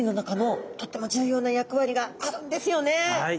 はい。